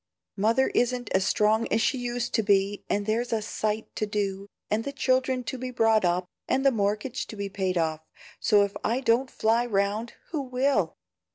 Mother isn't as strong as she used to be, and there's a sight to do, and the children to be brought up, and the mortgage to be paid off; so if I don't fly round, who will?